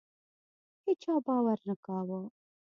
هیچا باور نه کاوه.